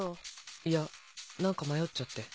いや何か迷っちゃって。